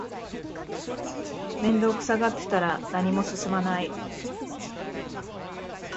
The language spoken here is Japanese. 面倒くさがってたら何も進まない